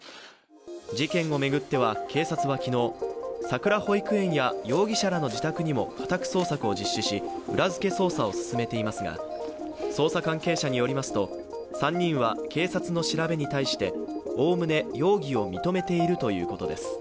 事件を巡っては警察は昨日、さくら保育園や容疑者らの自宅にも家宅捜索を実施し、裏づけ捜査を進めていますが捜査関係者によりますと３人は警察の調べに対しておおむね容疑を認めているということです。